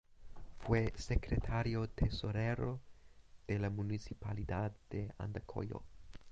Fue secretario tesorero de la Municipalidad de Andacollo.